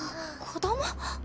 子ども？